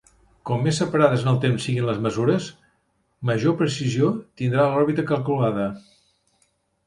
Com més separades en el temps siguin les mesures, major precisió tindrà l'òrbita calculada.